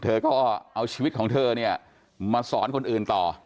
เธอก็เอาชีวิตของเธอเนี่ยมาสอนคนอื่นต่อ